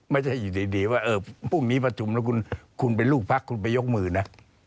ไม่ใช่อยู่ดีว่าพรุ่งนี้ประชุมแล้วคุณเป็นลูกพักคุณไปยกมือนะ